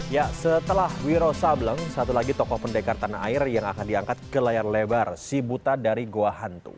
ya setelah wiro sableng satu lagi tokoh pendekar tanah air yang akan diangkat ke layar lebar si buta dari goa hantu